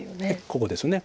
ここですね